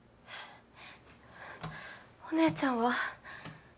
お姉ちゃんは？